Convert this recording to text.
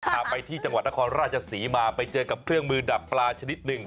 พาไปที่จังหวัดนครราชศรีมาไปเจอกับเครื่องมือดักปลาชนิดหนึ่ง